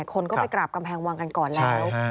คนก็ไปกราบกำแพงวังกันก่อนแล้ว